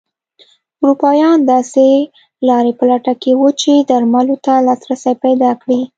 اروپایان داسې لارې په لټه کې وو چې درملو ته لاسرسی پیدا کړي.